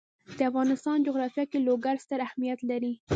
د افغانستان جغرافیه کې لوگر ستر اهمیت لري.